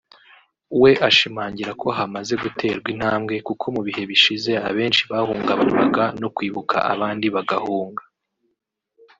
we ashimangira ko hamaze guterwa intambwe kuko mu bihe bishize abenshi bahungabanywaga no kwibuka abandi bagahunga